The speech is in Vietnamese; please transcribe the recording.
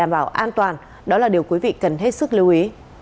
đảm bảo an toàn đó là điều quý vị cần hết sức lưu ý